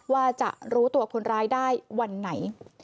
ว่าจะรู้ตัวคนร้ายได้วันไหน